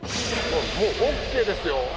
もうオッケーですよ。